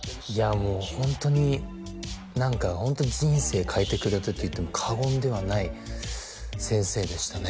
もうホントに何かホントに人生変えてくれたと言っても過言ではない先生でしたね